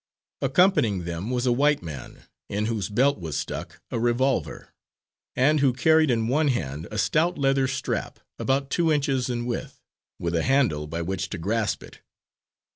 Accompanying them was a white man, in whose belt was stuck a revolver, and who carried in one hand a stout leather strap, about two inches in width with a handle by which to grasp it.